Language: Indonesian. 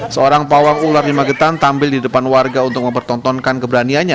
seorang pawang ular di magetan tampil di depan warga untuk mempertontonkan keberaniannya